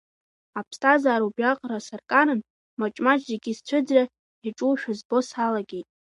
Аԥсҭазаара убриаҟара саркаран, маҷ-маҷ зегьы сцәыӡра иаҿушәа збо салагеит.